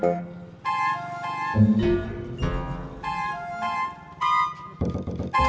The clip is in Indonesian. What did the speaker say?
jangan deket bang